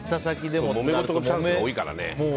もめごとのチャンスが多いからね。